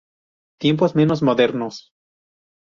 Tiempos menos modernos